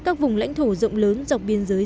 các vùng lãnh thổ rộng lớn dọc biên giới